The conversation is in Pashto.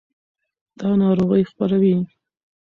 دا ناروغۍ خپروي.